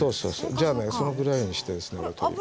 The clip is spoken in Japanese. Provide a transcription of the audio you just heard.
じゃあねそのぐらいにしてですねやるといいですね。